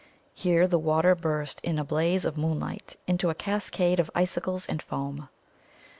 Here the water burst in a blaze of moonlight into a cascade of icicles and foam.